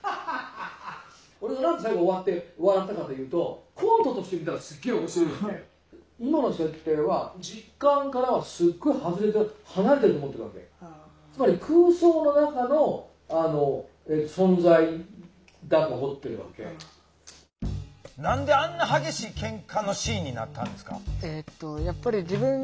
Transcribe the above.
俺が何で最後終わって笑ったかというと何であんな激しいケンカのシーンになったんですか？